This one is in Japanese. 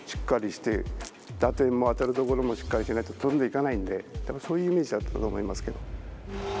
打点も当たるところもしっかりしないと飛んでいかないんでそういうイメージだったと思いますけど。